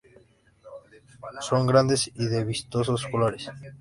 Son grandes y de vistosos colores.